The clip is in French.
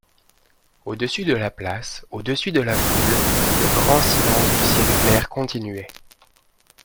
Au-dessus de la place, au-dessus de la foule, le grand silence du ciel clair continuait.